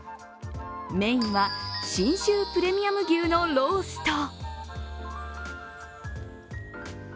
メインは信州プレミアム牛のロースト。